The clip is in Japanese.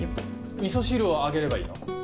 みそ汁をあげればいいの？